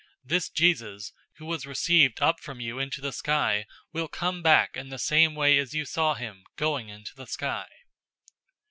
This Jesus, who was received up from you into the sky will come back in the same way as you saw him going into the sky."